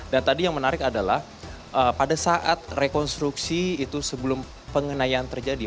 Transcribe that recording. dan tadi yang menarik adalah pada saat rekonstruksi itu sebelum pengenaian terjadi